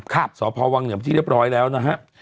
ครับสอบภาว์วังเนี่ยพอที่เรียบร้อยแล้วนะฮะ